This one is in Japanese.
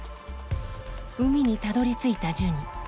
海にたどりついたジュニ。